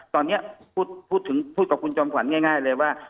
ตอนนี้พูดถึงพูดกับคุณจอมขวัญง่ายเลยว่า